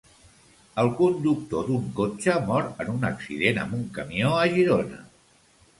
El conductor d'un cotxe mor en un accident amb un camió a Girona.